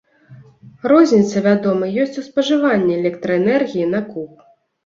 Розніца, вядома, ёсць у спажыванні электраэнергіі на куб.